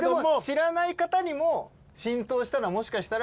知らない方にも浸透したのはもしかしたら。